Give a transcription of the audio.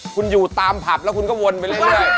คุณอยู่ตามผับแล้วคุณก็วนไปเรื่อย